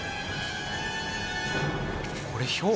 これひょう？